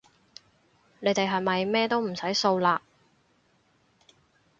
你哋係咪乜都唔使掃嘞